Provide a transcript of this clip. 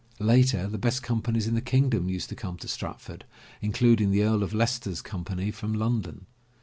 Later, the best companies in the kingdom used to come to Stratford, including the Earl of Leices ter's Company from London.